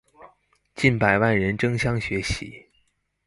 近百萬人爭相學習